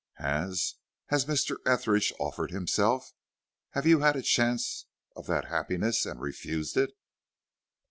"Has has Mr. Etheridge offered himself? Have you had a chance of that happiness, and refused it?"